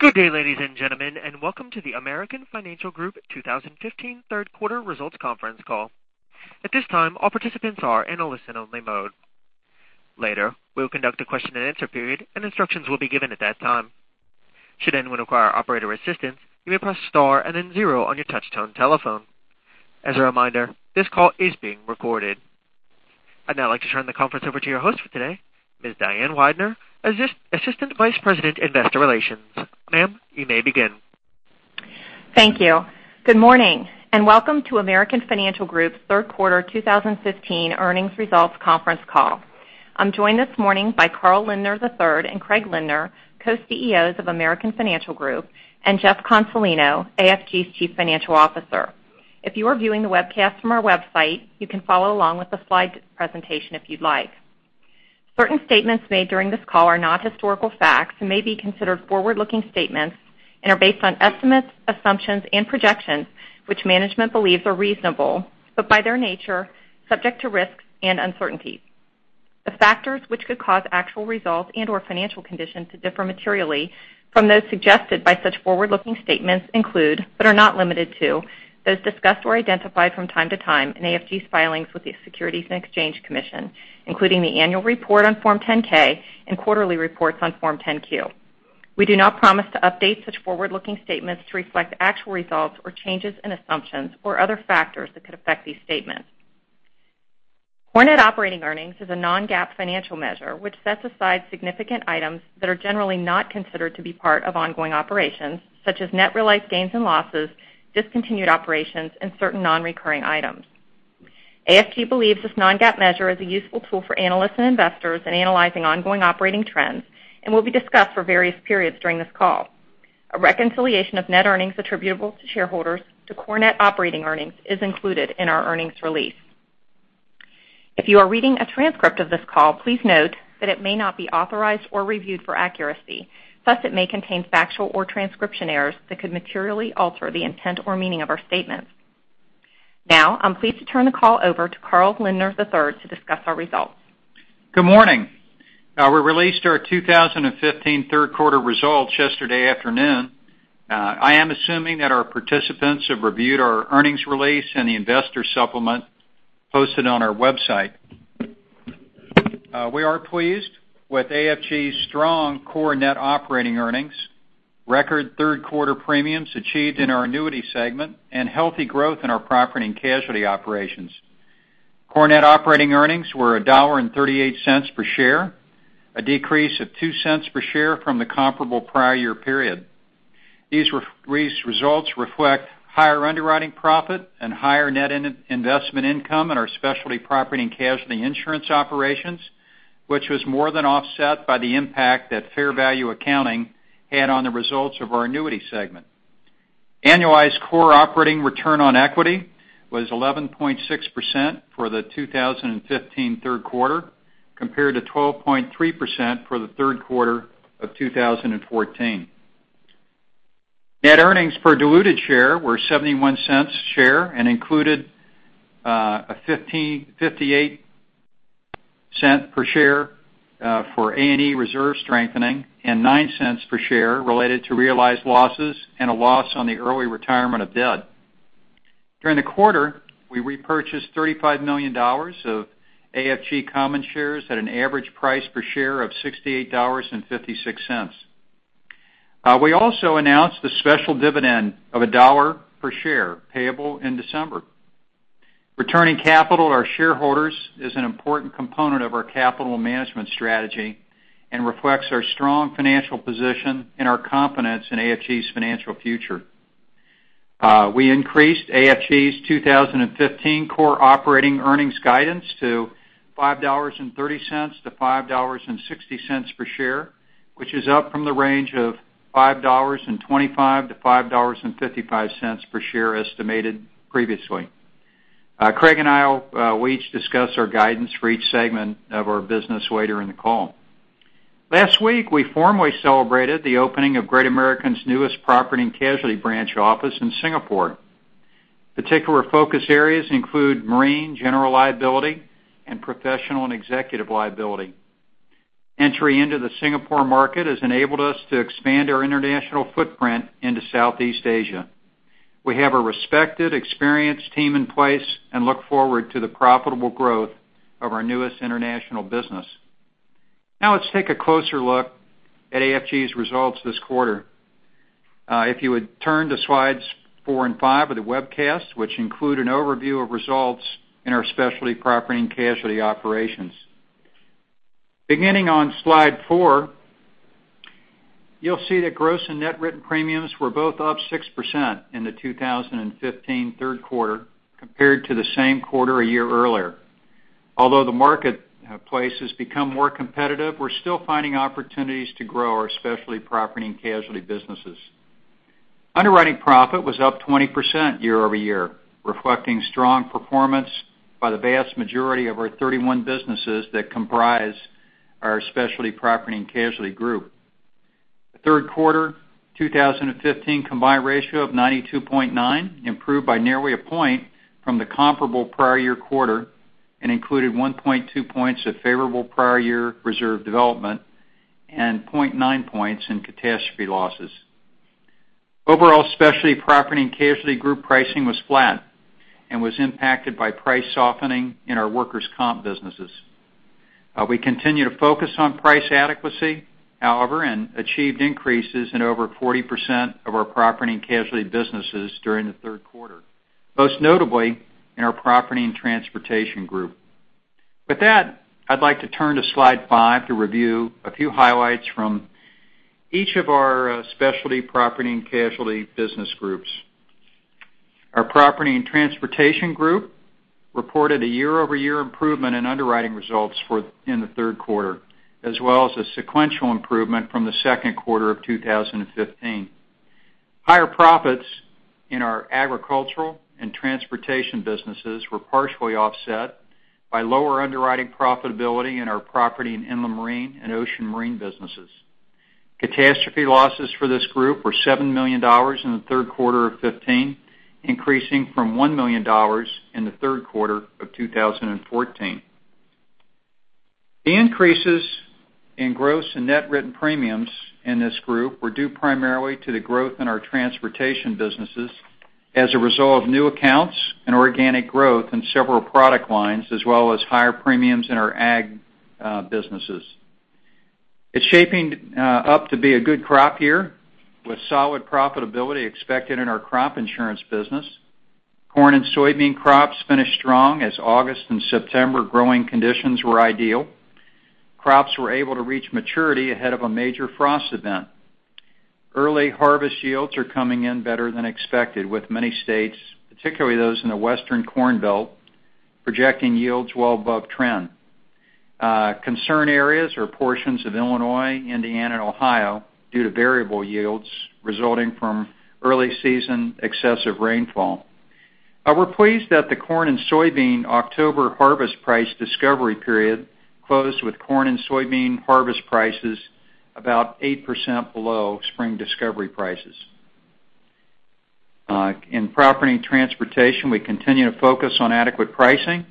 Good day, ladies and gentlemen, and welcome to the American Financial Group 2015 third quarter results conference call. At this time, all participants are in a listen-only mode. Later, we will conduct a question and answer period, and instructions will be given at that time. Should anyone require operator assistance, you may press star and then zero on your touch-tone telephone. As a reminder, this call is being recorded. I'd now like to turn the conference over to your host for today, Ms. Diane Weidner, Assistant Vice President, Investor Relations. Ma'am, you may begin. Thank you. Good morning, and welcome to American Financial Group's third quarter 2015 earnings results conference call. I'm joined this morning by Carl H. Lindner III and S. Craig Lindner, Co-CEOs of American Financial Group, and Jeff Consolino, AFG's Chief Financial Officer. If you are viewing the webcast from our website, you can follow along with the slide presentation if you'd like. Certain statements made during this call are not historical facts and may be considered forward-looking statements and are based on estimates, assumptions and projections which management believes are reasonable, but by their nature, subject to risks and uncertainties. The factors which could cause actual results and/or financial conditions to differ materially from those suggested by such forward-looking statements include, but are not limited to, those discussed or identified from time to time in AFG's filings with the Securities and Exchange Commission, including the annual report on Form 10-K and quarterly reports on Form 10-Q. We do not promise to update such forward-looking statements to reflect actual results or changes in assumptions or other factors that could affect these statements. Core net operating earnings is a non-GAAP financial measure, which sets aside significant items that are generally not considered to be part of ongoing operations, such as net realized gains and losses, discontinued operations, and certain non-recurring items. AFG believes this non-GAAP measure is a useful tool for analysts and investors in analyzing ongoing operating trends and will be discussed for various periods during this call. A reconciliation of net earnings attributable to shareholders to core net operating earnings is included in our earnings release. If you are reading a transcript of this call, please note that it may not be authorized or reviewed for accuracy, thus it may contain factual or transcription errors that could materially alter the intent or meaning of our statements. I'm pleased to turn the call over to Carl H. Lindner III to discuss our results. Good morning. We released our 2015 third quarter results yesterday afternoon. I am assuming that our participants have reviewed our earnings release and the investor supplement posted on our website. We are pleased with AFG's strong core net operating earnings, record third quarter premiums achieved in our annuity segment, and healthy growth in our property and casualty operations. Core net operating earnings were $1.38 per share, a decrease of $0.02 per share from the comparable prior year period. These results reflect higher underwriting profit and higher net investment income in our specialty property and casualty insurance operations, which was more than offset by the impact that fair value accounting had on the results of our annuity segment. Annualized core operating return on equity was 11.6% for the 2015 third quarter, compared to 12.3% for the third quarter of 2014. Net earnings per diluted share were $0.71 a share and included a $0.58 per share for A&E reserve strengthening and $0.09 per share related to realized losses and a loss on the early retirement of debt. During the quarter, we repurchased $35 million of AFG common shares at an average price per share of $68.56. We also announced a special dividend of $1.00 per share, payable in December. Returning capital to our shareholders is an important component of our capital management strategy and reflects our strong financial position and our confidence in AFG's financial future. We increased AFG's 2015 core operating earnings guidance to $5.30 to $5.60 per share, which is up from the range of $5.25 to $5.55 per share estimated previously. Craig and I will each discuss our guidance for each segment of our business later in the call. Last week, we formally celebrated the opening of Great American's newest property and casualty branch office in Singapore. Particular focus areas include marine, general liability, and professional and executive liability. Entry into the Singapore market has enabled us to expand our international footprint into Southeast Asia. We have a respected, experienced team in place and look forward to the profitable growth of our newest international business. Let's take a closer look at AFG's results this quarter. If you would turn to slides four and five of the webcast, which include an overview of results in our specialty property and casualty operations. Beginning on slide four, you'll see that gross and net written premiums were both up 6% in the 2015 third quarter compared to the same quarter a year earlier. Although the marketplace has become more competitive, we're still finding opportunities to grow our specialty property and casualty businesses. Underwriting profit was up 20% year-over-year, reflecting strong performance by the vast majority of our 31 businesses that comprise our specialty property and casualty group. The third quarter 2015 combined ratio of 92.9 improved by nearly a point from the comparable prior year quarter. It included 1.2 points of favorable prior year reserve development and 0.9 points in catastrophe losses. Overall specialty property and casualty group pricing was flat and was impacted by price softening in our workers' comp businesses. We continue to focus on price adequacy, however, and achieved increases in over 40% of our property and casualty businesses during the third quarter, most notably in our property and transportation group. I'd like to turn to slide five to review a few highlights from each of our specialty property and casualty business groups. Our property and transportation group reported a year-over-year improvement in underwriting results in the third quarter, as well as a sequential improvement from the second quarter of 2015. Higher profits in our agricultural and transportation businesses were partially offset by lower underwriting profitability in our property and inland marine and ocean marine businesses. Catastrophe losses for this group were $7 million in the third quarter of 2015, increasing from $1 million in the third quarter of 2014. The increases in gross and net written premiums in this group were due primarily to the growth in our transportation businesses as a result of new accounts and organic growth in several product lines, as well as higher premiums in our ag businesses. It's shaping up to be a good crop year, with solid profitability expected in our crop insurance business. Corn and soybean crops finished strong as August and September growing conditions were ideal. Crops were able to reach maturity ahead of a major frost event. Early harvest yields are coming in better than expected, with many states, particularly those in the Western Corn Belt, projecting yields well above trend. Concern areas are portions of Illinois, Indiana, and Ohio due to variable yields resulting from early season excessive rainfall. We're pleased that the corn and soybean October harvest price discovery period closed with corn and soybean harvest prices about 8% below spring discovery prices. In property and transportation, we continue to focus on adequate pricing.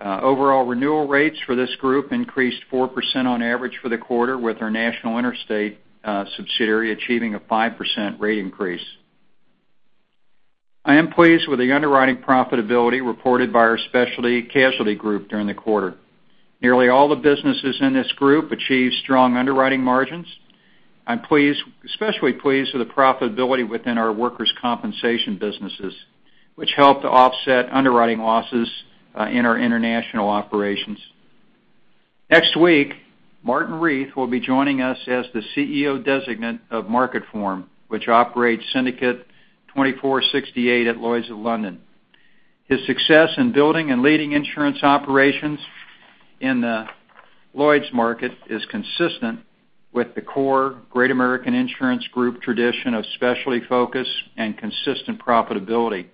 Overall renewal rates for this group increased 4% on average for the quarter with our National Interstate subsidiary achieving a 5% rate increase. I am pleased with the underwriting profitability reported by our Specialty Casualty Group during the quarter. Nearly all the businesses in this group achieved strong underwriting margins. I'm especially pleased with the profitability within our workers' compensation businesses, which helped to offset underwriting losses in our international operations. Next week, Martin Reith will be joining us as the CEO Designate of Marketform, which operates Syndicate 2468 at Lloyd's of London. His success in building and leading insurance operations in the Lloyd's market is consistent with the core Great American Insurance Group tradition of specialty focus and consistent profitability.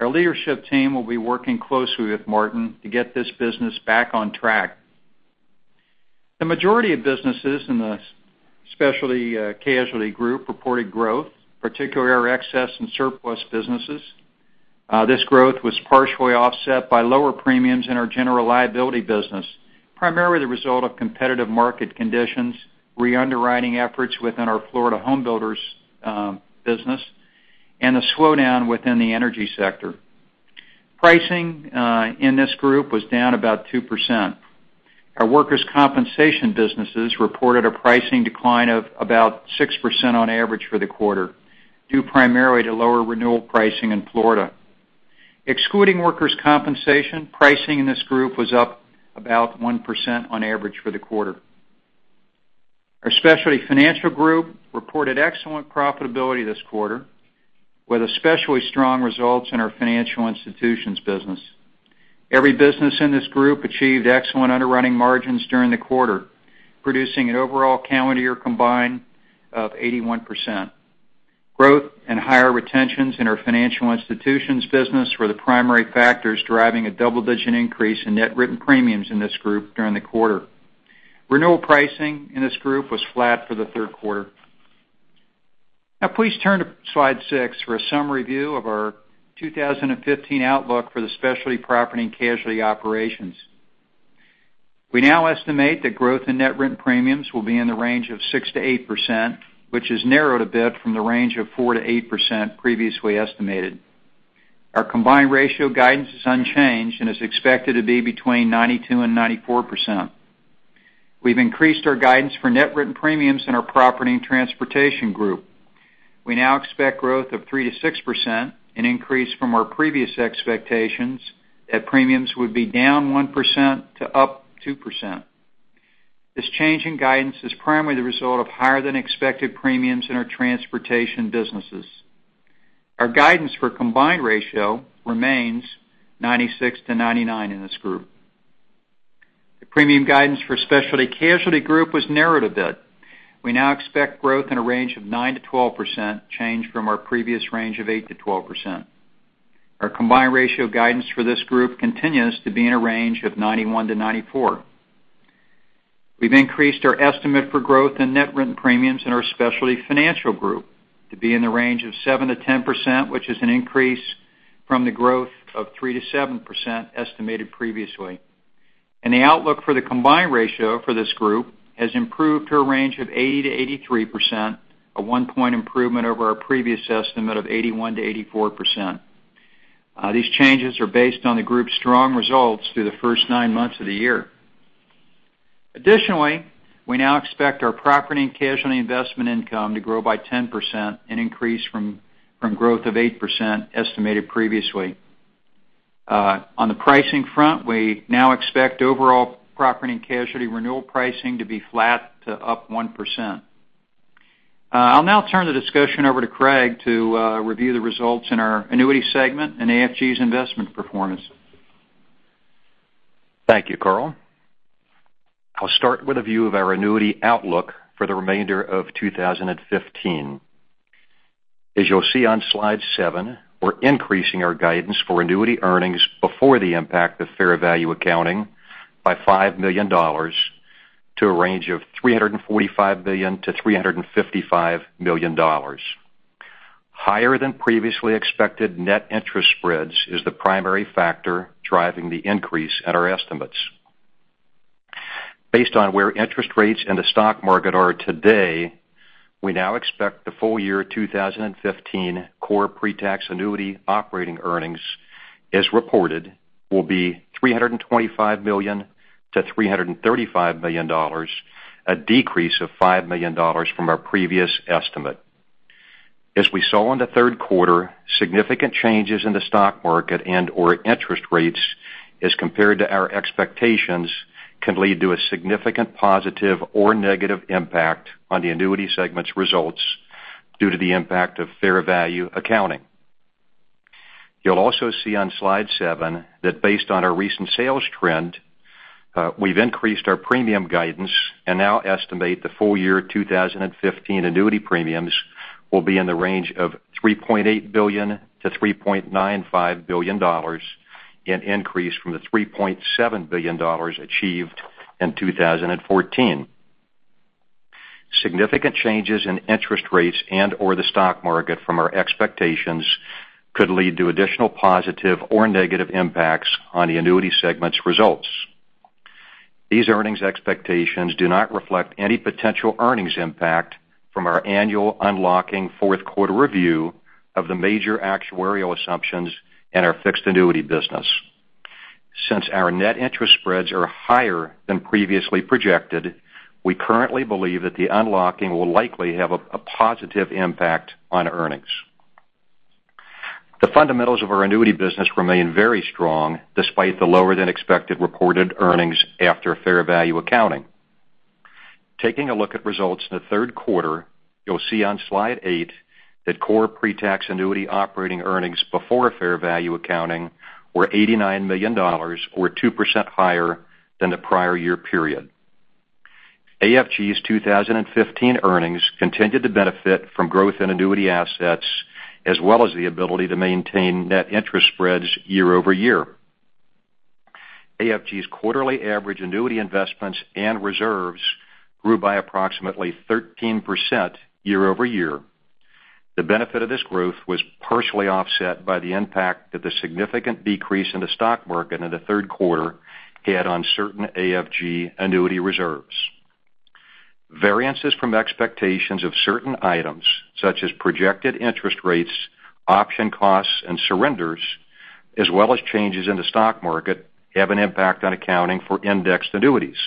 Our leadership team will be working closely with Martin to get this business back on track. The majority of businesses in the Specialty Casualty Group reported growth, particularly our excess and surplus businesses. This growth was partially offset by lower premiums in our general liability business, primarily the result of competitive market conditions, re-underwriting efforts within our Florida home builders business, and a slowdown within the energy sector. Pricing in this group was down about 2%. Our workers' compensation businesses reported a pricing decline of about 6% on average for the quarter, due primarily to lower renewal pricing in Florida. Excluding workers' compensation, pricing in this group was up about 1% on average for the quarter. Our Specialty Financial Group reported excellent profitability this quarter, with especially strong results in our financial institutions business. Every business in this group achieved excellent underwriting margins during the quarter, producing an overall calendar year combined of 81%. Growth and higher retentions in our financial institutions business were the primary factors driving a double-digit increase in net written premiums in this group during the quarter. Renewal pricing in this group was flat for the third quarter. Now please turn to slide six for a summary view of our 2015 outlook for the specialty property and casualty operations. We now estimate that growth in net written premiums will be in the range of 6%-8%, which has narrowed a bit from the range of 4%-8% previously estimated. Our combined ratio guidance is unchanged and is expected to be between 92% and 94%. We've increased our guidance for net written premiums in our property and transportation group. We now expect growth of 3%-6%, an increase from our previous expectations that premiums would be down 1%-2%. This change in guidance is primarily the result of higher than expected premiums in our transportation businesses. Our guidance for combined ratio remains 96%-99% in this group. The premium guidance for specialty casualty group was narrowed a bit. We now expect growth in a range of 9%-12%, change from our previous range of 8%-12%. Our combined ratio guidance for this group continues to be in a range of 91%-94%. We've increased our estimate for growth in net written premiums in our specialty financial group to be in the range of 7%-10%, which is an increase from the growth of 3%-7% estimated previously. The outlook for the combined ratio for this group has improved to a range of 80%-83%, a one-point improvement over our previous estimate of 81%-84%. Additionally, we now expect our property and casualty investment income to grow by 10%, an increase from growth of 8% estimated previously. On the pricing front, we now expect overall property and casualty renewal pricing to be flat to 1%. I'll now turn the discussion over to Craig to review the results in our annuity segment and AFG's investment performance. Thank you, Carl. I'll start with a view of our annuity outlook for the remainder of 2015. As you'll see on slide seven, we're increasing our guidance for annuity earnings before the impact of fair value accounting by $5 million to a range of $345 million-$355 million. Higher than previously expected net interest spreads is the primary factor driving the increase at our estimates. Based on where interest rates in the stock market are today, we now expect the full year 2015 core pre-tax annuity operating earnings, as reported, will be $325 million-$335 million, a decrease of $5 million from our previous estimate. As we saw in the third quarter, significant changes in the stock market and/or interest rates, as compared to our expectations, can lead to a significant positive or negative impact on the annuity segment's results due to the impact of fair value accounting. You'll also see on slide seven that based on our recent sales trend, we've increased our premium guidance and now estimate the full year 2015 annuity premiums will be in the range of $3.8 billion to $3.95 billion, an increase from the $3.7 billion achieved in 2014. Significant changes in interest rates and/or the stock market from our expectations could lead to additional positive or negative impacts on the annuity segment's results. These earnings expectations do not reflect any potential earnings impact from our annual unlocking fourth quarter review of the major actuarial assumptions in our fixed annuity business. Since our net interest spreads are higher than previously projected, we currently believe that the unlocking will likely have a positive impact on earnings. The fundamentals of our annuity business remain very strong despite the lower-than-expected reported earnings after fair value accounting. Taking a look at results in the third quarter, you'll see on slide eight that core pre-tax annuity operating earnings before fair value accounting were $89 million, or 2% higher than the prior year period. AFG's 2015 earnings continued to benefit from growth in annuity assets as well as the ability to maintain net interest spreads year-over-year. AFG's quarterly average annuity investments and reserves grew by approximately 13% year-over-year. The benefit of this growth was partially offset by the impact that the significant decrease in the stock market in the third quarter had on certain AFG annuity reserves. Variances from expectations of certain items such as projected interest rates, option costs, and surrenders, as well as changes in the stock market, have an impact on accounting for indexed annuities.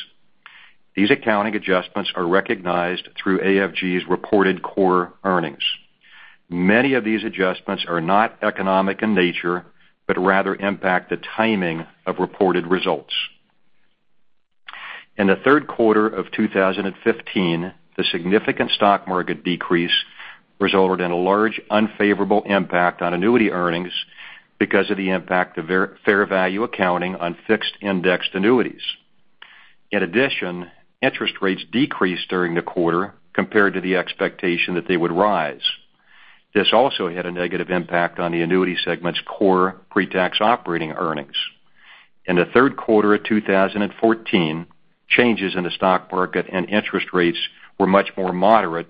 These accounting adjustments are recognized through AFG's reported core earnings. Many of these adjustments are not economic in nature but rather impact the timing of reported results. In the third quarter of 2015, the significant stock market decrease resulted in a large unfavorable impact on annuity earnings because of the impact of fair value accounting on fixed-indexed annuities. Interest rates decreased during the quarter compared to the expectation that they would rise. This also had a negative impact on the annuity segment's core pre-tax operating earnings. In the third quarter of 2014, changes in the stock market and interest rates were much more moderate,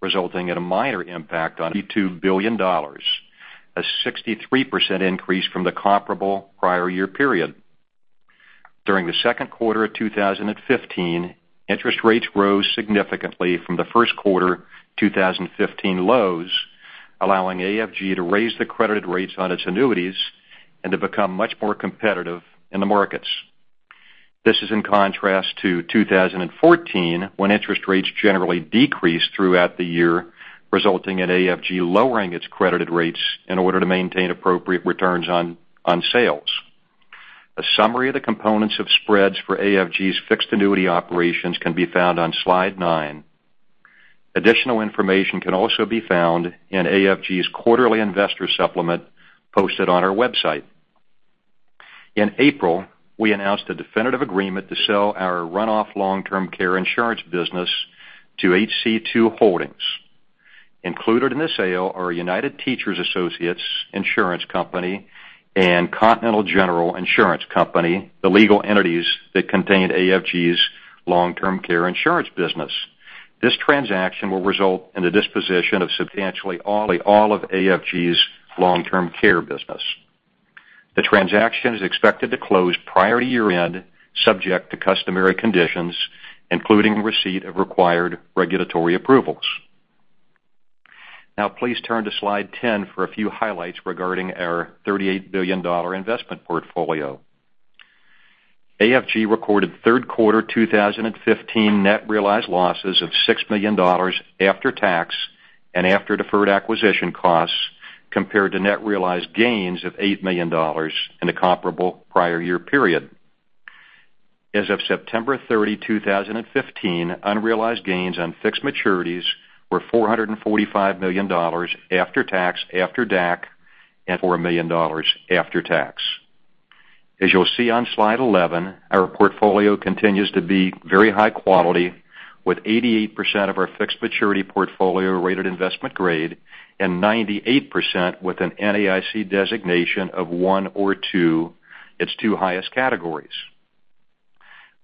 resulting in a minor impact on [$32 billion], a 63% increase from the comparable prior year period. During the second quarter of 2015, interest rates rose significantly from the first quarter 2015 lows, allowing AFG to raise the credited rates on its annuities and to become much more competitive in the markets. This is in contrast to 2014, when interest rates generally decreased throughout the year, resulting in AFG lowering its credited rates in order to maintain appropriate returns on sales. A summary of the components of spreads for AFG's fixed annuity operations can be found on slide nine. Additional information can also be found in AFG's quarterly investor supplement posted on our website. In April, we announced a definitive agreement to sell our runoff long-term care insurance business to HC2 Holdings Included in the sale are United Teacher Associates Insurance Company and Continental General Insurance Company, the legal entities that contained AFG's long-term care insurance business. This transaction will result in the disposition of substantially all of AFG's long-term care business. The transaction is expected to close prior to year-end, subject to customary conditions, including receipt of required regulatory approvals. Please turn to slide 10 for a few highlights regarding our $38 billion investment portfolio. AFG recorded third quarter 2015 net realized losses of $6 million after tax and after deferred acquisition costs compared to net realized gains of $8 million in the comparable prior year period. As of September 30, 2015, unrealized gains on fixed maturities were $445 million after tax, after DAC, and $4 million after tax. As you'll see on slide 11, our portfolio continues to be very high quality with 88% of our fixed maturity portfolio rated investment grade and 98% with an NAIC designation of 1 or 2, its two highest categories.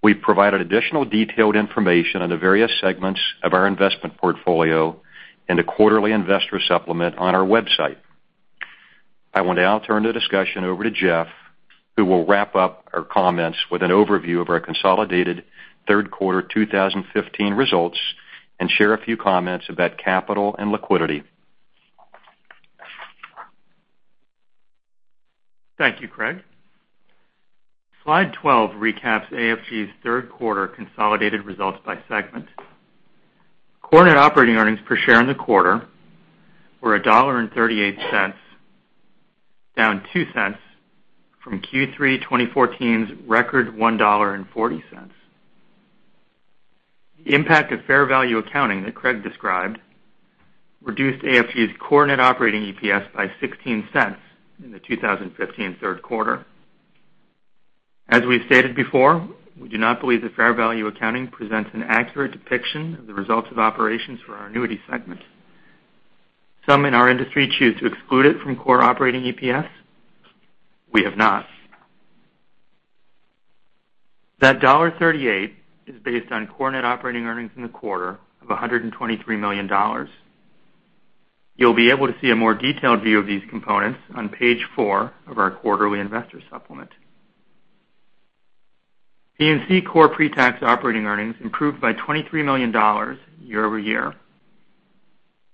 We've provided additional detailed information on the various segments of our investment portfolio in the quarterly investor supplement on our website. I will now turn the discussion over to Jeff, who will wrap up our comments with an overview of our consolidated third quarter 2015 results and share a few comments about capital and liquidity. Thank you, Craig. Slide 12 recaps AFG's third quarter consolidated results by segment. Core net operating earnings per share in the quarter were $1.38, down $0.02 from Q3 2014's record $1.40. The impact of fair value accounting that Craig described reduced AFG's core net operating EPS by $0.16 in the 2015 third quarter. As we've stated before, we do not believe that fair value accounting presents an accurate depiction of the results of operations for our annuity segment. Some in our industry choose to exclude it from core operating EPS. We have not. That $1.38 is based on core net operating earnings in the quarter of $123 million. You'll be able to see a more detailed view of these components on page four of our quarterly investor supplement. P&C core pre-tax operating earnings improved by $23 million year-over-year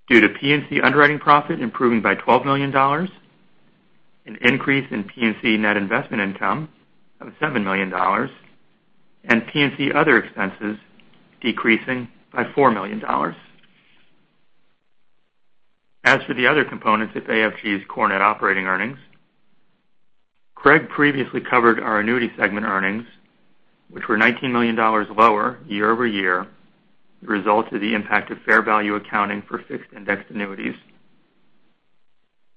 due to P&C underwriting profit improving by $12 million, an increase in P&C net investment income of $7 million, and P&C other expenses decreasing by $4 million. As for the other components of AFG's core net operating earnings, Craig previously covered our annuity segment earnings, which were $19 million lower year-over-year. The result of the impact of fair value accounting for fixed-indexed annuities.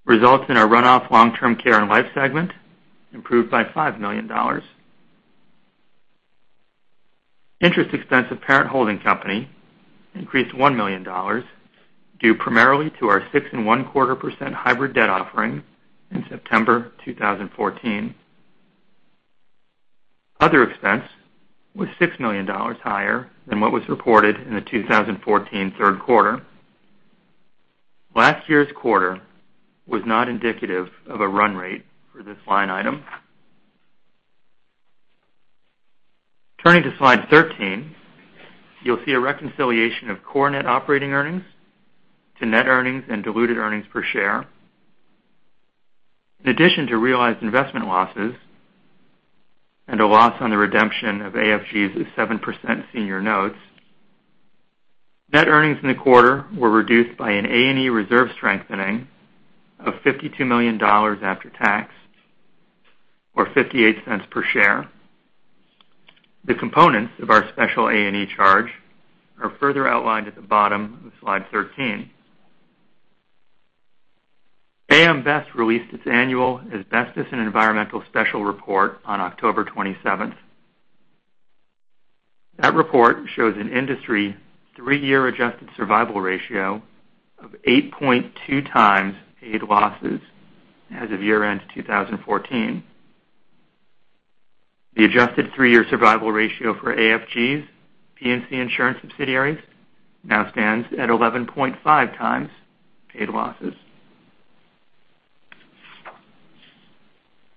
Results in our run-off long-term care and life segment improved by $5 million. Interest expense of parent holding company increased $1 million due primarily to our 6.25% hybrid debt offering in September 2014. Other expense was $6 million higher than what was reported in the 2014 third quarter. Last year's quarter was not indicative of a run rate for this line item. Turning to slide 13, you'll see a reconciliation of core net operating earnings to net earnings and diluted earnings per share. In addition to realized investment losses and a loss on the redemption of AFG's 7% senior notes, net earnings in the quarter were reduced by an A&E reserve strengthening of $52 million after tax, or $0.58 per share. The components of our special A&E charge are further outlined at the bottom of slide 13. AM Best released its annual Asbestos and Environmental Special Report on October 27th. That report shows an industry three-year adjusted survival ratio of 8.2 times paid losses as of year-end 2014. The adjusted three-year survival ratio for AFG's P&C insurance subsidiaries now stands at 11.5 times paid losses.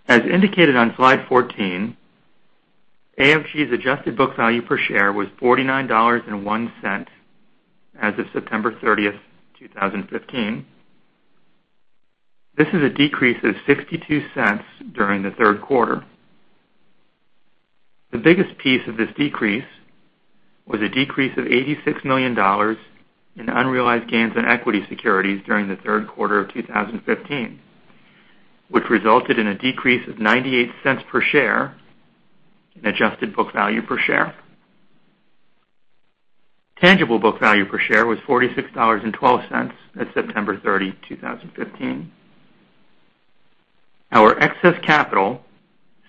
As indicated on slide 14, AFG's adjusted book value per share was $49.01 as of September 30th, 2015. This is a decrease of $0.62 during the third quarter. The biggest piece of this decrease was a decrease of $86 million in unrealized gains on equity securities during the third quarter of 2015, which resulted in a decrease of $0.98 per share in adjusted book value per share. Tangible book value per share was $46.12 at September 30, 2015. Our excess capital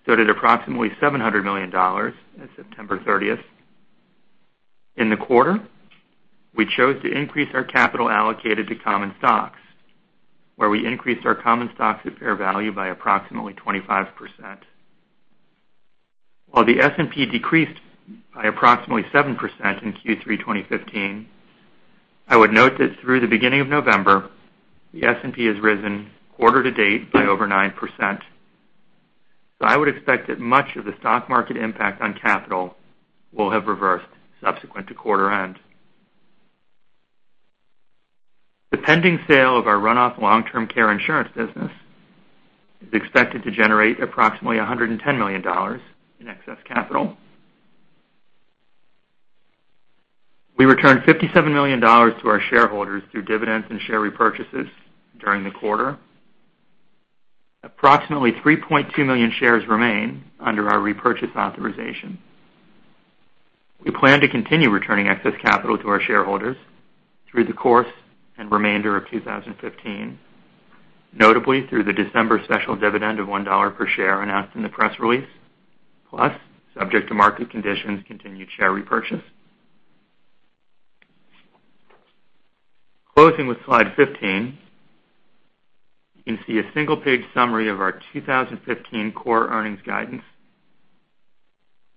stood at approximately $700 million on September 30th. In the quarter, we chose to increase our capital allocated to common stocks, where we increased our common stocks at par value by approximately 25%. While the S&P decreased by approximately 7% in Q3 2015, I would note that through the beginning of November, the S&P has risen quarter to date by over 9%. I would expect that much of the stock market impact on capital will have reversed subsequent to quarter end. The pending sale of our runoff long-term care insurance business is expected to generate approximately $110 million in excess capital. We returned $57 million to our shareholders through dividends and share repurchases during the quarter. Approximately 3.2 million shares remain under our repurchase authorization. We plan to continue returning excess capital to our shareholders through the course and remainder of 2015, notably through the December special dividend of $1 per share announced in the press release, plus subject to market conditions, continued share repurchase. Closing with slide 15, you can see a single-page summary of our 2015 core earnings guidance.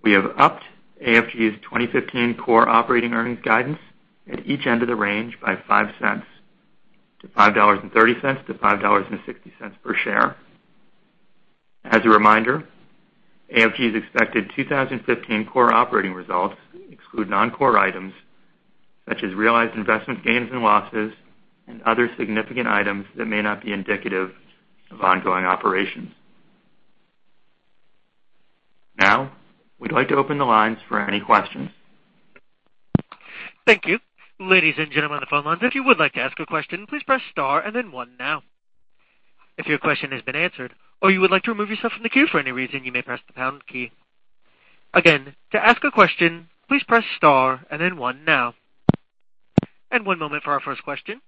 We have upped AFG's 2015 core operating earnings guidance at each end of the range by $0.05 to $5.30-$5.60 per share. As a reminder, AFG's expected 2015 core operating results exclude non-core items such as realized investment gains and losses and other significant items that may not be indicative of ongoing operations. We'd like to open the lines for any questions. Thank you. Ladies and gentlemen, on the phone lines, if you would like to ask a question, please press star and then one now. If your question has been answered or you would like to remove yourself from the queue for any reason, you may press the pound key. To ask a question, please press star and then one now. One moment for our first question.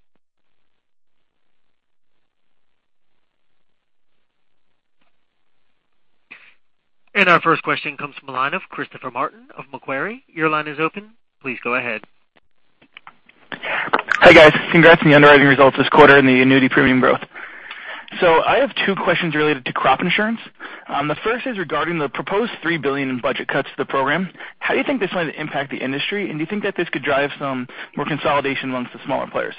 Our first question comes from the line of Christopher Martin of Macquarie. Your line is open. Please go ahead. Hi, guys. Congrats on the underwriting results this quarter and the annuity premium growth. I have two questions related to crop insurance. The first is regarding the proposed $3 billion in budget cuts to the program. How do you think this might impact the industry, and do you think that this could drive some more consolidation amongst the smaller players?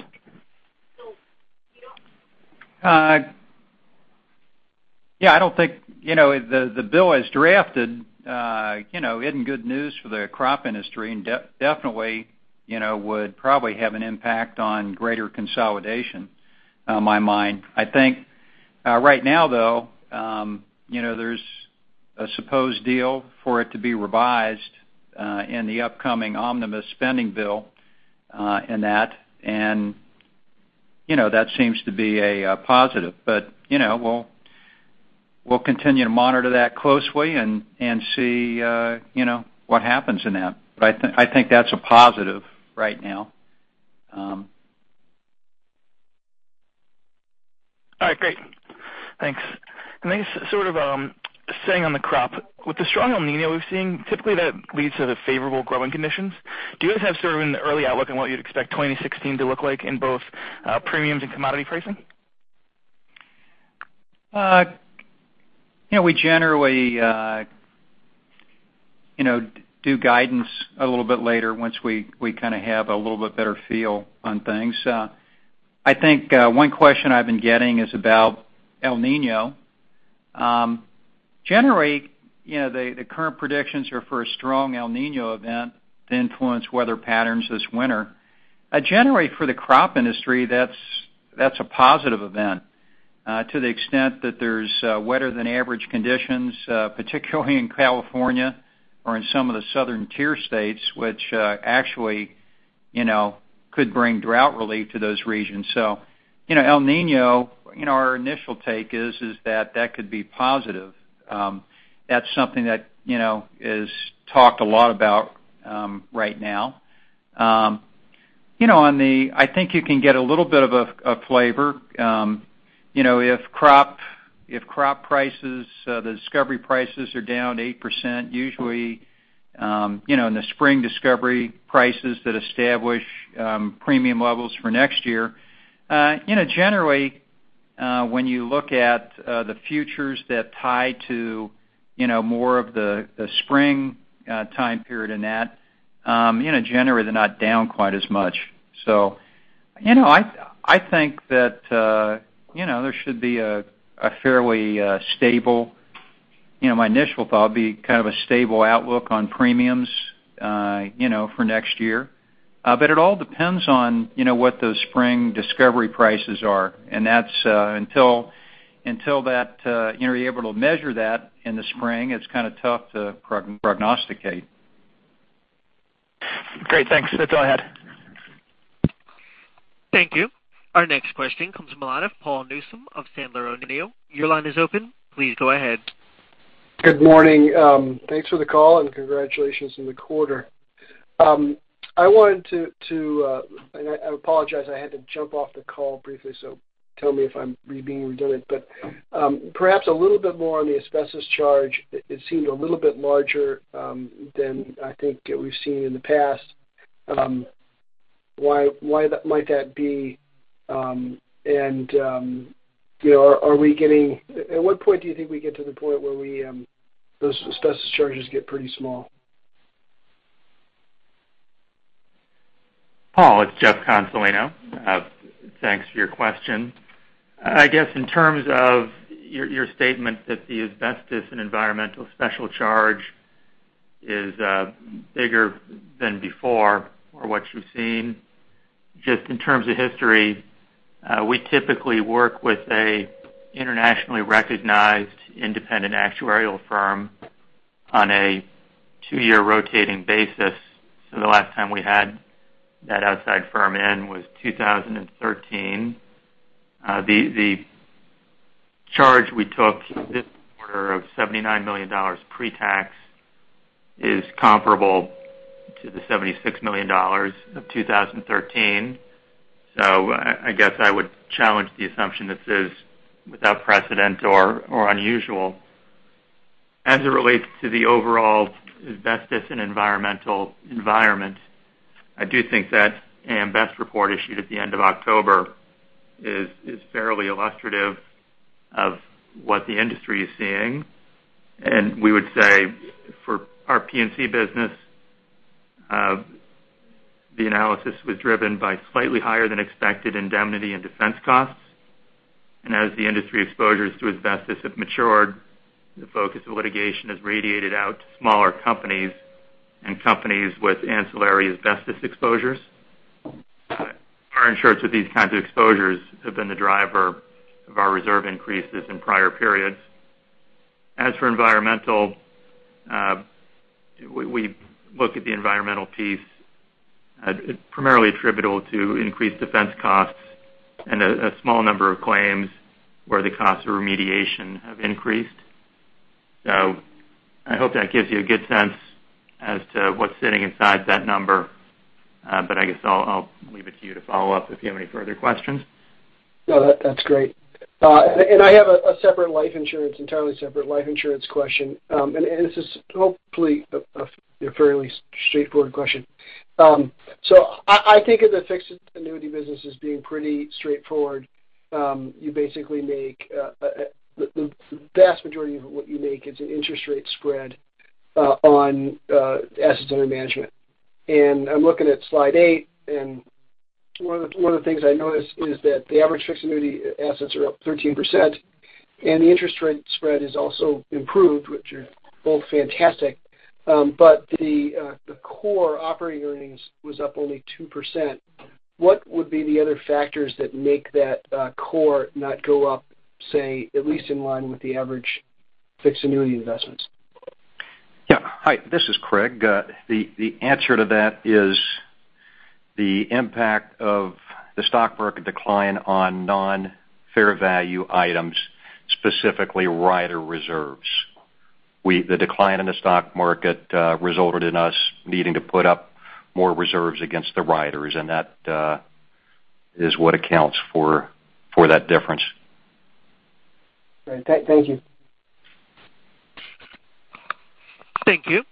Yeah, I don't think the bill as drafted isn't good news for the crop industry, and definitely would probably have an impact on greater consolidation on my mind. I think right now, though, there's a supposed deal for it to be revised, in the upcoming omnibus spending bill, in that seems to be a positive. We'll continue to monitor that closely and see what happens in that. I think that's a positive right now. All right, great. Thanks. Then just sort of staying on the crop, with the strong El Niño we're seeing, typically that leads to the favorable growing conditions. Do you guys have sort of an early outlook on what you'd expect 2016 to look like in both premiums and commodity pricing? We generally do guidance a little bit later once we kind of have a little bit better feel on things. I think one question I've been getting is about El Niño. Generally, the current predictions are for a strong El Niño event to influence weather patterns this winter. Generally, for the crop industry, that's a positive event to the extent that there's wetter than average conditions, particularly in California or in some of the southern tier states, which actually could bring drought relief to those regions. El Niño, our initial take is that that could be positive. That's something that is talked a lot about right now. I think you can get a little bit of a flavor. If crop prices, the discovery prices, are down 8%, usually in the spring discovery prices that establish premium levels for next year, generally, when you look at the futures that tie to more of the spring time period in that, generally they're not down quite as much. I think that there should be a fairly stable, my initial thought would be kind of a stable outlook on premiums for next year. It all depends on what those spring discovery prices are. Until you're able to measure that in the spring, it's kind of tough to prognosticate. Great. Thanks. That's all I had. Thank you. Our next question comes from the line of Paul Newsome of Sandler O'Neill. Your line is open. Please go ahead. Good morning. Thanks for the call and congratulations on the quarter. I apologize, I had to jump off the call briefly, so tell me if I'm being redundant. Perhaps a little bit more on the asbestos charge. It seemed a little bit larger than I think we've seen in the past. Why might that be? At what point do you think we get to the point where those asbestos charges get pretty small? Paul, it's Jeff Consolino. Thanks for your question. I guess in terms of your statement that the asbestos and environmental special charge is bigger than before or what you've seen, just in terms of history, we typically work with an internationally recognized independent actuarial firm on a two-year rotating basis. The last time we had that outside firm in was 2013. The charge we took this quarter of $79 million pre-tax is comparable to the $76 million of 2013. I guess I would challenge the assumption that this is without precedent or unusual. As it relates to the overall asbestos and environmental environment, I do think that AM Best report issued at the end of October is fairly illustrative of what the industry is seeing. We would say for our P&C business, the analysis was driven by slightly higher than expected indemnity and defense costs. As the industry exposures to asbestos have matured, the focus of litigation has radiated out to smaller companies and companies with ancillary asbestos exposures. Reinsurance of these kinds of exposures have been the driver of our reserve increases in prior periods. As for environmental, we look at the environmental piece primarily attributable to increased defense costs and a small number of claims where the costs of remediation have increased. I hope that gives you a good sense as to what's sitting inside that number, but I guess I'll leave it to you to follow up if you have any further questions. No, that's great. I have a separate life insurance, entirely separate life insurance question. This is hopefully a fairly straightforward question. I think of the fixed annuity business as being pretty straightforward. The vast majority of what you make is an interest rate spread on assets under management. I'm looking at slide eight, and one of the things I noticed is that the average fixed annuity assets are up 13% and the interest rate spread has also improved, which are both fantastic. The core operating earnings was up only 2%. What would be the other factors that make that core not go up, say, at least in line with the average fixed annuity investments? Yeah. Hi, this is Craig. The answer to that is the impact of the stock market decline on non-fair value items, specifically rider reserves. The decline in the stock market resulted in us needing to put up more reserves against the riders, and that is what accounts for that difference. Great. Thank you. Thank you.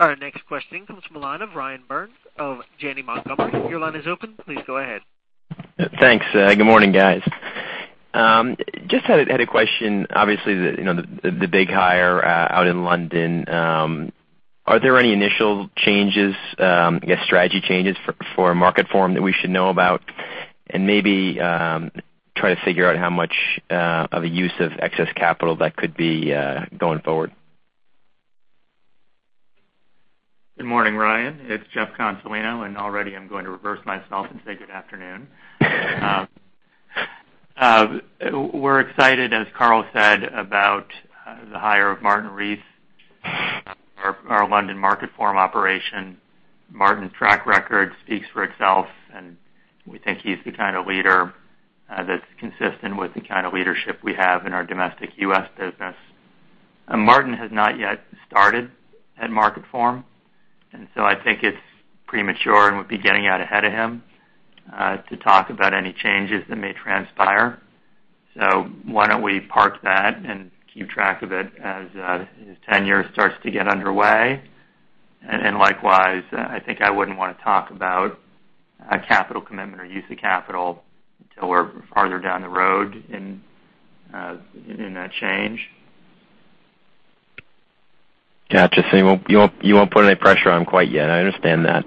Our next question comes from the line of Ryan Burns of Janney Montgomery. Your line is open. Please go ahead. Thanks. Good morning, guys. Just had a question. Obviously, the big hire out in London. Are there any initial changes, I guess, strategy changes for Marketform that we should know about? Maybe try to figure out how much of a use of excess capital that could be going forward. Good morning, Ryan. It's Jeff Consolino, and already I'm going to reverse myself and say good afternoon. We're excited, as Carl said, about the hire of Martin Reith, our London Marketform operation. Martin's track record speaks for itself, and we think he's the kind of leader that's consistent with the kind of leadership we have in our domestic U.S. business. Martin has not yet started at Marketform, and so I think it's premature and would be getting out ahead of him, to talk about any changes that may transpire. Why don't we park that and keep track of it as his tenure starts to get underway? Likewise, I think I wouldn't want to talk about a capital commitment or use of capital until we're farther down the road in that change. Gotcha. You won't put any pressure on him quite yet. I understand that.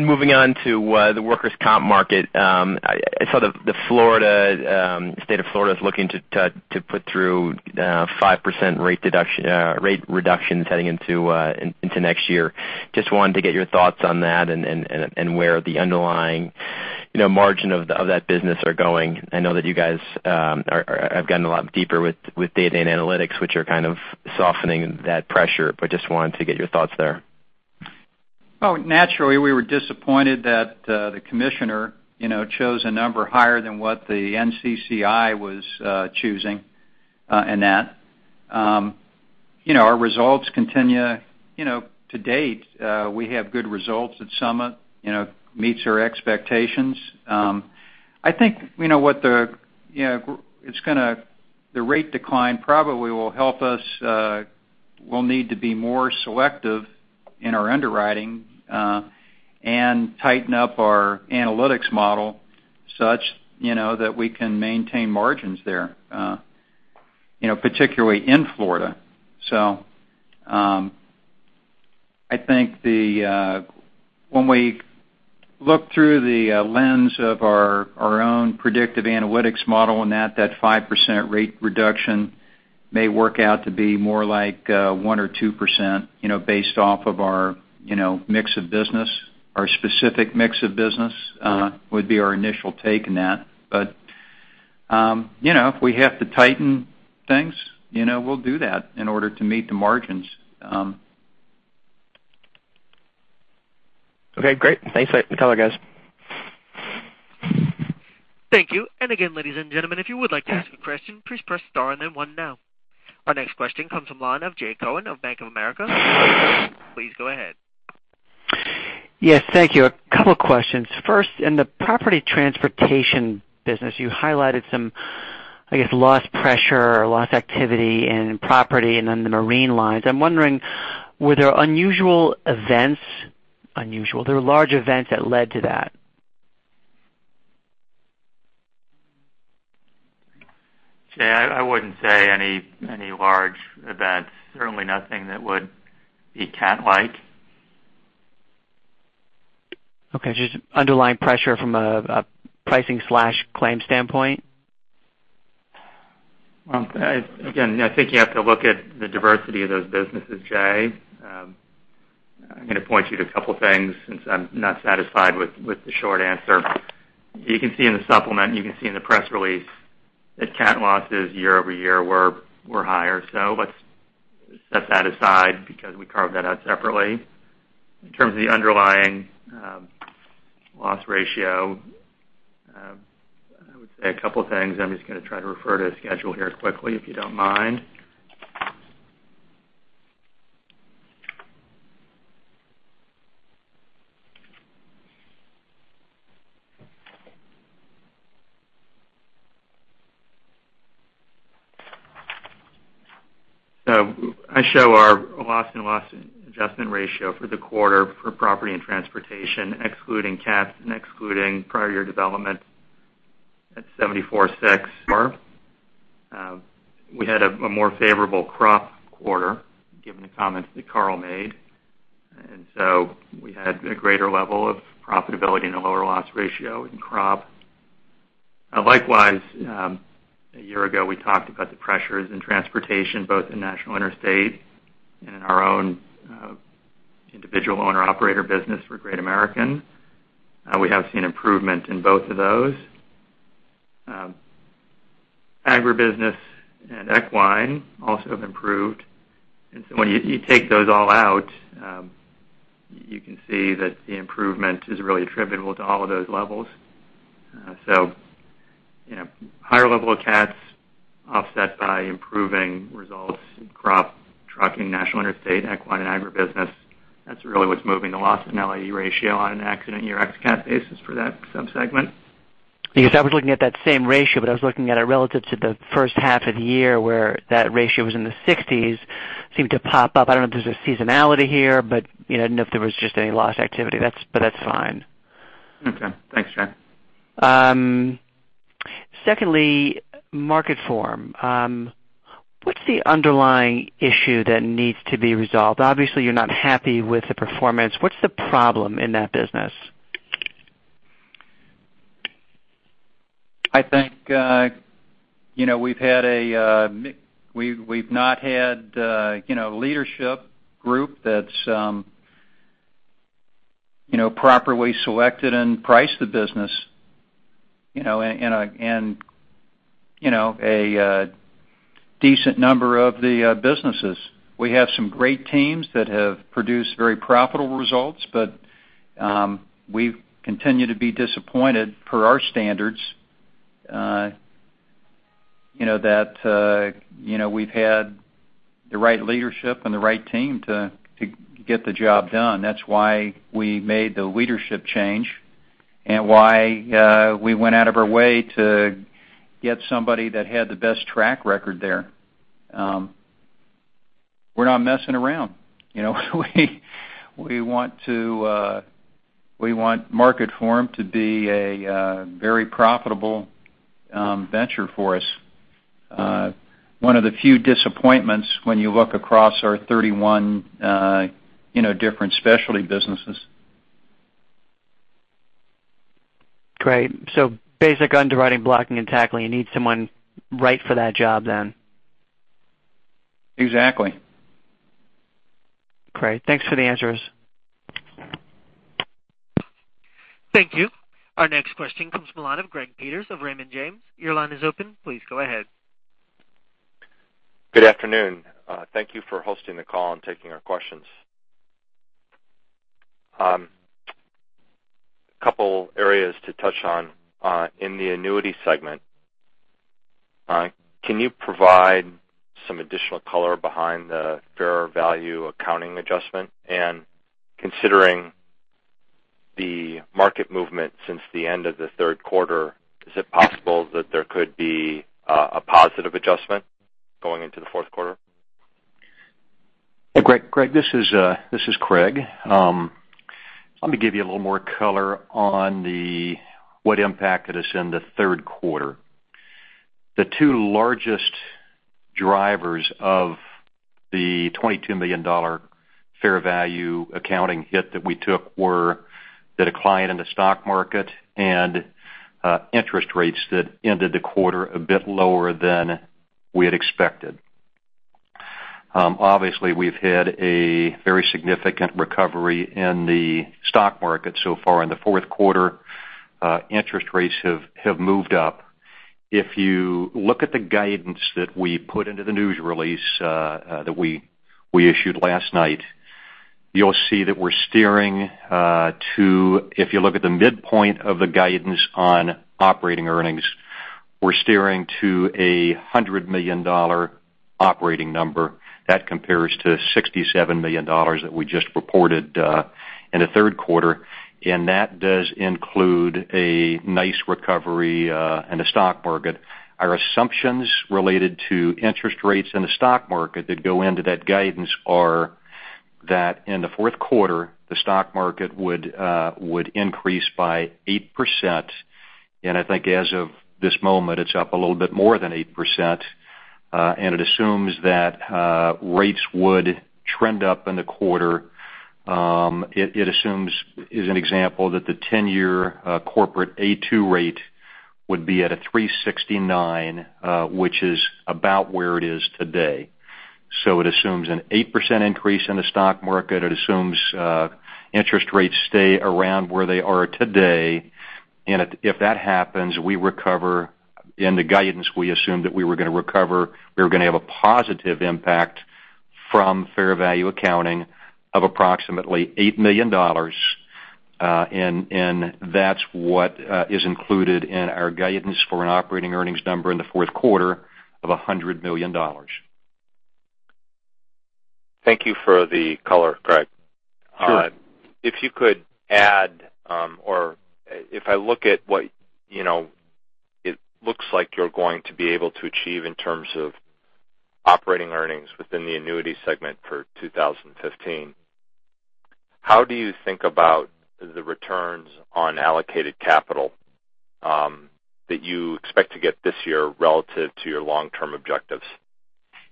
Moving on to the workers' comp market. I saw the state of Florida is looking to put through 5% rate reductions heading into next year. Just wanted to get your thoughts on that and where the underlying margin of that business are going. I know that you guys have gotten a lot deeper with data and analytics, which are kind of softening that pressure. Just wanted to get your thoughts there. Well, naturally, we were disappointed that the commissioner chose a number higher than what the NCCI was choosing in that. Our results continue. To date, we have good results at Summit, meets our expectations. I think the rate decline probably will help us. We'll need to be more selective in our underwriting, and tighten up our analytics model such that we can maintain margins there, particularly in Florida. I think when we look through the lens of our own predictive analytics model and that 5% rate reduction may work out to be more like 1% or 2% based off of our specific mix of business would be our initial take in that. If we have to tighten things, we'll do that in order to meet the margins. Okay, great. Thanks. Later. Goodbye, guys. Thank you. Again, ladies and gentlemen, if you would like to ask a question, please press star and then one now. Our next question comes from the line of Jay Cohen of Bank of America. Please go ahead. Yes, thank you. A couple of questions. First, in the Property and Transportation business, you highlighted some, I guess, loss pressure or loss activity in property and then the marine lines. I'm wondering, were there large events that led to that? Jay, I wouldn't say any large events, certainly nothing that would be cat-like. Okay. Just underlying pressure from a pricing/claim standpoint? I think you have to look at the diversity of those businesses, Jay. I'm going to point you to a couple of things since I'm not satisfied with the short answer. You can see in the supplement, you can see in the press release that cat losses year-over-year were higher. Let's set that aside because we carved that out separately. In terms of the underlying loss ratio, I would say a couple of things. I'm just going to try to refer to a schedule here quickly, if you don't mind. I show our loss and loss adjustment ratio for the quarter for property and transportation, excluding cats and excluding prior year development at 74.64. We had a more favorable crop quarter, given the comments that Carl made, we had a greater level of profitability and a lower loss ratio in crop. Likewise, a year ago, we talked about the pressures in transportation, both in National Interstate and in our own individual owner operator business for Great American. We have seen improvement in both of those. Agribusiness and equine also have improved. When you take those all out, you can see that the improvement is really attributable to all of those levels. Higher level of cats offset by improving results in crop, trucking, National Interstate, equine, and agribusiness. That's really what's moving the loss and LE ratio on an accident year x CAT basis for that sub-segment. I was looking at that same ratio, but I was looking at it relative to the first half of the year where that ratio was in the 60s. Seemed to pop up. I don't know if there's a seasonality here, but I didn't know if there was just any loss activity. That's fine. Thanks, Jay. Secondly, Marketform. What's the underlying issue that needs to be resolved? Obviously, you're not happy with the performance. What's the problem in that business? I think we've not had a leadership group that's properly selected and priced the business in a decent number of the businesses. We have some great teams that have produced very profitable results, but we've continued to be disappointed per our standards, that we've had the right leadership and the right team to get the job done. That's why we made the leadership change and why we went out of our way to get somebody that had the best track record there. We're not messing around. We want Marketform to be a very profitable venture for us. One of the few disappointments when you look across our 31 different specialty businesses. Great. Basic underwriting, blocking, and tackling. You need someone right for that job then. Exactly. Great. Thanks for the answers. Thank you. Our next question comes from the line of Gregory Peters of Raymond James. Your line is open. Please go ahead. Good afternoon. Thank you for hosting the call and taking our questions. A couple areas to touch on. In the annuity segment, can you provide some additional color behind the fair value accounting adjustment? Considering the market movement since the end of the third quarter, is it possible that there could be a positive adjustment going into the fourth quarter? Hey, Greg. This is Craig. Let me give you a little more color on what impacted us in the third quarter. The two largest drivers of the $22 million fair value accounting hit that we took were the decline in the stock market and interest rates that ended the quarter a bit lower than we had expected. Obviously, we've had a very significant recovery in the stock market so far in the fourth quarter. Interest rates have moved up. If you look at the guidance that we put into the news release that we issued last night, you'll see that we're steering to, if you look at the midpoint of the guidance on operating earnings, we're steering to a $100 million operating number. That compares to $67 million that we just reported in the third quarter, that does include a nice recovery in the stock market. Our assumptions related to interest rates in the stock market that go into that guidance are that in the fourth quarter, the stock market would increase by 8%. I think as of this moment, it's up a little bit more than 8%. It assumes that rates would trend up in the quarter. It assumes, as an example, that the 10-year corporate A2 rate would be at a 369, which is about where it is today. It assumes an 8% increase in the stock market. It assumes interest rates stay around where they are today. If that happens, in the guidance, we assumed that we were going to recover, we were going to have a positive impact from fair value accounting of approximately $8 million. That's what is included in our guidance for an operating earnings number in the fourth quarter of $100 million. Thank you for the color, Craig. Sure. If you could add or if I look at what it looks like you're going to be able to achieve in terms of operating earnings within the annuity segment for 2015, how do you think about the returns on allocated capital that you expect to get this year relative to your long-term objectives?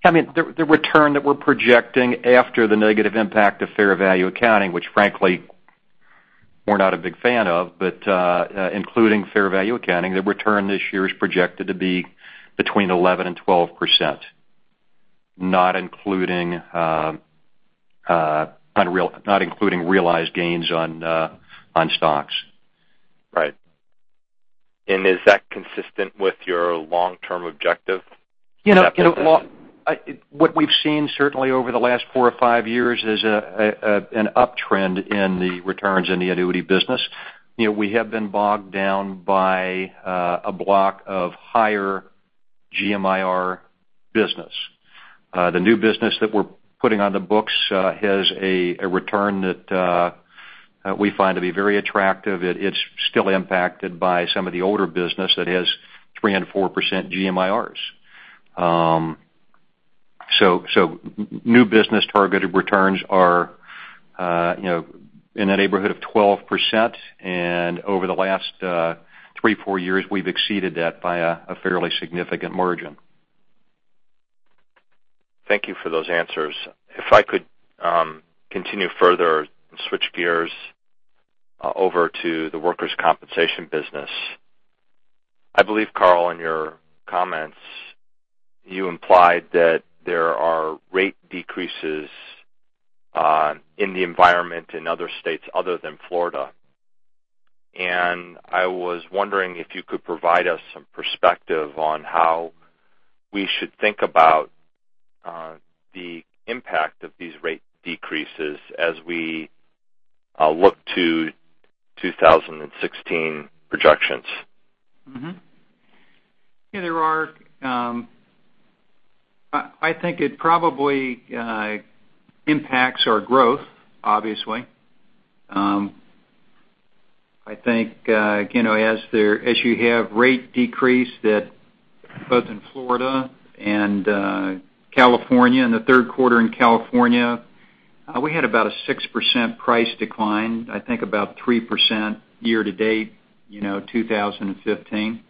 The return that we're projecting after the negative impact of fair value accounting, which frankly we're not a big fan of, but including fair value accounting, the return this year is projected to be between 11% and 12%, not including realized gains on stocks. Right. Is that consistent with your long-term objective? What we've seen certainly over the last four or five years is an uptrend in the returns in the annuity business. We have been bogged down by a block of higher GMIR business. The new business that we're putting on the books has a return that we find to be very attractive. It's still impacted by some of the older business that has 3% and 4% GMIRs. New business targeted returns are in the neighborhood of 12%, and over the last three, four years, we've exceeded that by a fairly significant margin. Thank you for those answers. If I could continue further and switch gears over to the workers' compensation business. I believe, Carl, in your comments, you implied that there are rate decreases in the environment in other states other than Florida. I was wondering if you could provide us some perspective on how we should think about the impact of these rate decreases as we look to 2016 projections. I think it probably impacts our growth, obviously. I think as you have rate decrease both in Florida and California, in the third quarter in California, we had about a 6% price decline. I think about 3% year to date, 2015.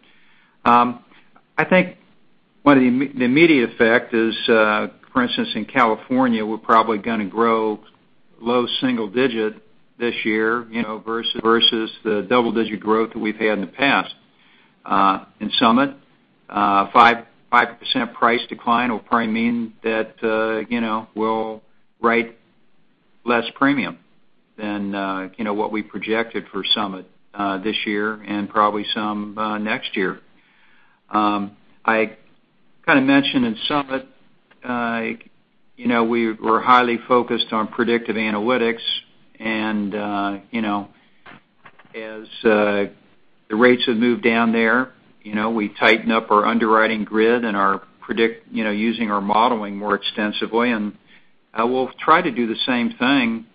I think the immediate effect is, for instance, in California, we're probably going to grow low single digit this year versus the double-digit growth that we've had in the past. In Summit, 5% price decline will probably mean that we'll write less premium than what we projected for Summit this year and probably some next year. I kind of mentioned in Summit, we're highly focused on predictive analytics and as the rates have moved down there, we tighten up our underwriting grid and are using our modeling more extensively, and we'll try to do the same thing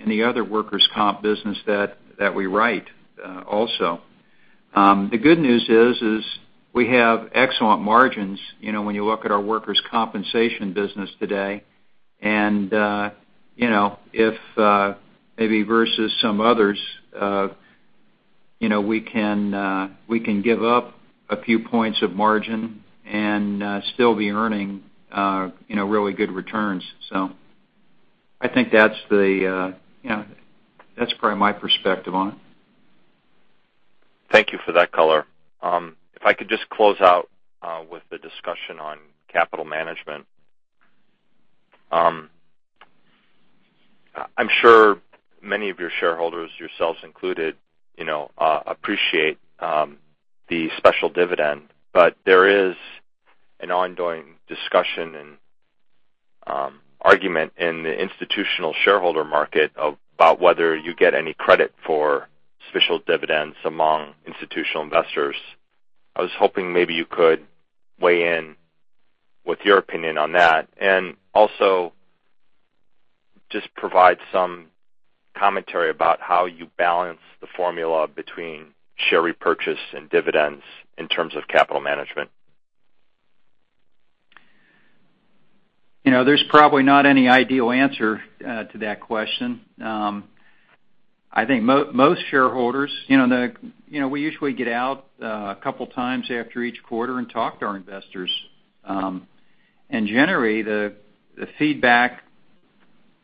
in the other workers' comp business that we write also. The good news is we have excellent margins, when you look at our workers' compensation business today, and if maybe versus some others, we can give up a few points of margin and still be earning really good returns. I think that's probably my perspective on it. Thank you for that color. If I could just close out with the discussion on capital management. I'm sure many of your shareholders, yourselves included, appreciate the special dividend. There is an ongoing discussion and argument in the institutional shareholder market about whether you get any credit for special dividends among institutional investors. I was hoping maybe you could weigh in with your opinion on that, and also just provide some commentary about how you balance the formula between share repurchase and dividends in terms of capital management. There's probably not any ideal answer to that question. I think most shareholders, we usually get out a couple of times after each quarter and talk to our investors. Generally, the feedback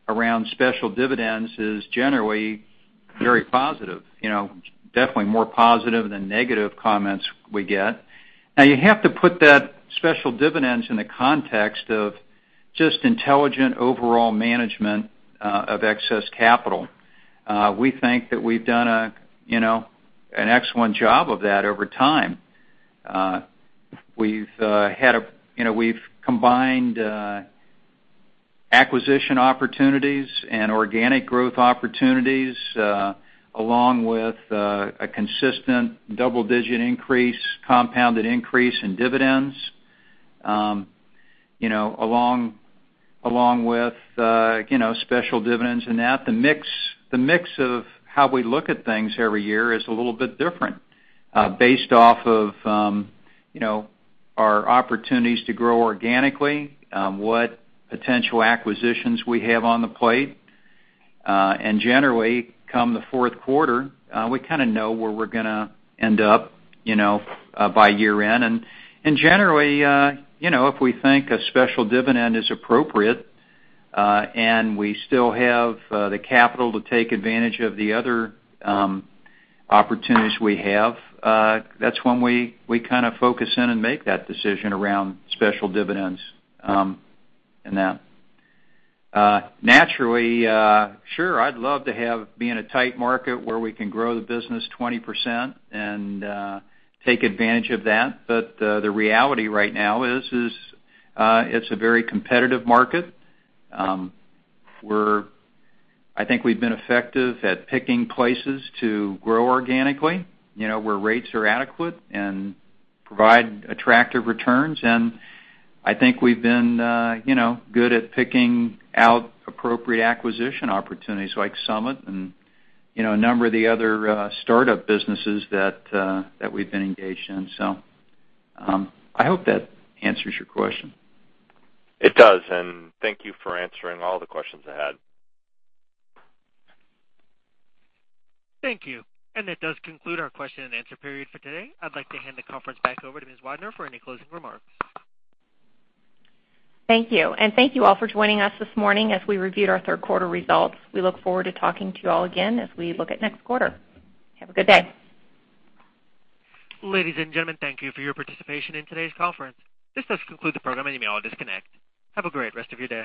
around special dividends is generally very positive. Definitely more positive than negative comments we get. Now, you have to put that special dividends in the context of just intelligent overall management of excess capital. We think that we've done an excellent job of that over time. We've combined acquisition opportunities and organic growth opportunities, along with a consistent double-digit increase, compounded increase in dividends, along with special dividends in that. The mix of how we look at things every year is a little bit different based off of our opportunities to grow organically, what potential acquisitions we have on the plate. Generally, come the fourth quarter, we kind of know where we're going to end up by year-end. Generally, if we think a special dividend is appropriate, and we still have the capital to take advantage of the other opportunities we have, that's when we kind of focus in and make that decision around special dividends and that. Naturally, sure, I'd love to be in a tight market where we can grow the business 20% and take advantage of that. The reality right now is it's a very competitive market. I think we've been effective at picking places to grow organically, where rates are adequate and provide attractive returns. I think we've been good at picking out appropriate acquisition opportunities like Summit and a number of the other startup businesses that we've been engaged in. I hope that answers your question. It does, thank you for answering all the questions I had. Thank you. That does conclude our question and answer period for today. I'd like to hand the conference back over to Ms. Weidner for any closing remarks. Thank you, and thank you all for joining us this morning as we reviewed our third quarter results. We look forward to talking to you all again as we look at next quarter. Have a good day. Ladies and gentlemen, thank you for your participation in today's conference. This does conclude the program and you may all disconnect. Have a great rest of your day.